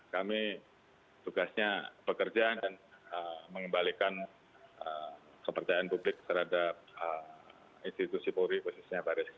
kami tugasnya pekerjaan dan mengembalikan kepercayaan publik terhadap institusi polri